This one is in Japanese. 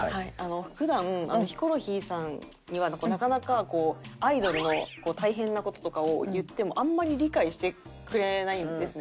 普段ヒコロヒーさんにはなかなかこうアイドルの大変な事とかを言ってもあんまり理解してくれないんですね。